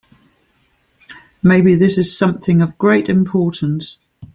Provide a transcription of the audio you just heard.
Maybe this is something of great importance.